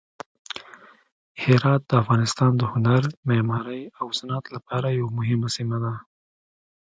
هرات د افغانستان د هنر، معمارۍ او صنعت لپاره یوه مهمه سیمه ده.